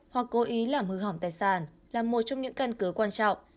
hoặc cố ý làm hư hỏng tài sản là một trong những căn cứ quan trọng